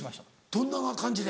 どんな感じで？